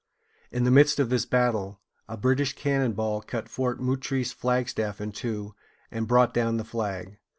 In the midst of this battle, a British cannon ball cut Fort Moultrie's flagstaff in two, and brought down the flag.